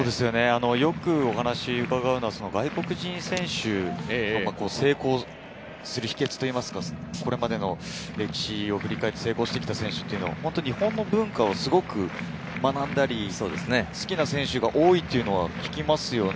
よくお話を伺うのは外国人選手、成功する秘訣、これまでの歴史を振り返って成功してきた選手は日本の文化を学んだり、好きな選手が多いというのは聞きますね。